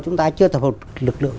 chúng ta chưa tập hợp lực lượng